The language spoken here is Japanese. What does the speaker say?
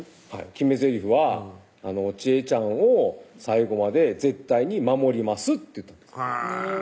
決めぜりふは「ちえちゃんを最後まで絶対に守ります」って言ったんです